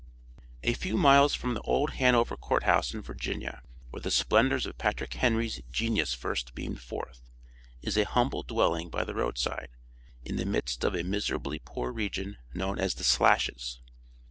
A few miles from old Hanover court house in Virginia, where the splendors of Patrick Henry's genius first beamed forth, is a humble dwelling by the road side, in the midst of a miserably poor region known as the slashes.